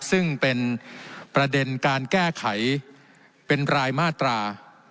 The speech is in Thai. ซึ่งเป็นประเด็นการแก้ไขเป็นรายมาตรา